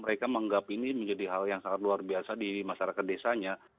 mereka menganggap ini menjadi hal yang sangat luar biasa di masyarakat desanya